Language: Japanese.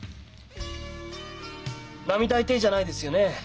並大抵じゃないですよねえ？